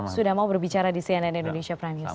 sudah mau berbicara di cnn indonesia prime news